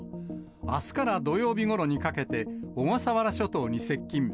あすから土曜日ごろにかけて、小笠原諸島に接近。